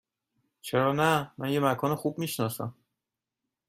چرا نه؟ من یک مکان خوب می شناسم.